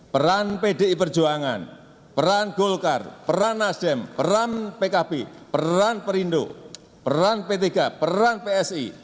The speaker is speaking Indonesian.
peran pdi perjuangan peran golkar peran nasdem peran pkb peran perindo peran p tiga peran psi